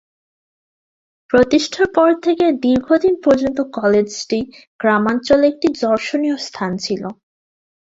প্রতিষ্ঠার পর থেকে দীর্ঘদিন পর্যন্ত কলেজটি গ্রামাঞ্চলে একটি দর্শনীয় স্থান ছিল।